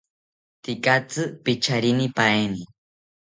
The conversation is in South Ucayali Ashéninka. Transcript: Tekatzi picharinipaeni